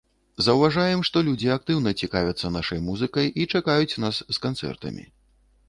Заўважаем, што людзі актыўна цікавяцца нашай музыкай і чакаюць нас з канцэртамі.